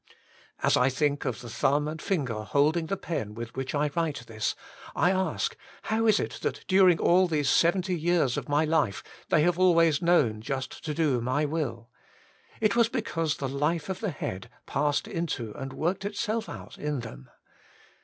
As I think of the thumb and finger holding the pen with which I write this, I ask. How is it that during all these seventy years of my Working for God 85 life they have always known just to do my will? It was because the Hfe of the head passed into and worked itself out in them.